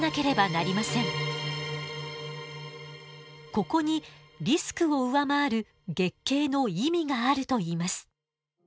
ここにリスクを上回る月経の意味があるといいます。